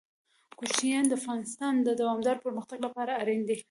کوچیان د افغانستان د دوامداره پرمختګ لپاره اړین دي.